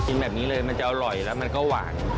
แบบนี้เลยมันจะอร่อยแล้วมันก็หวาน